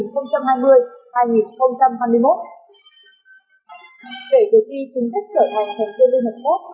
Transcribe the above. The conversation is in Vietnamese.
kể từ khi chính thức trở thành thành viên liên hợp quốc